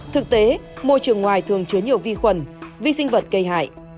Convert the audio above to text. thực tế môi trường ngoài thường chứa nhiều vi khuẩn vi sinh vật gây hại